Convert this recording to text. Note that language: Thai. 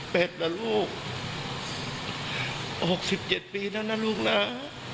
เป็นลูก๖๗ปีแล้วนะลูกนะ